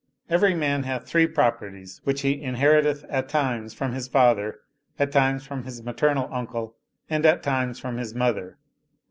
Every man hath three properties which he inheriteth at times from his father, at times from his maternal uncle and at times from his mother.